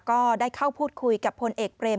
ก็ได้เข้าพูดคุยกับพลเอกเปรม